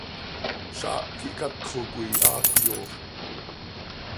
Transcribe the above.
Zaah quih catxo coi haa cöyoofp.